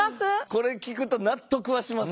これ聞くと納得はします。